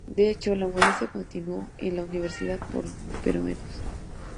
De hecho, la molestia continuó en la Universidad pero menos.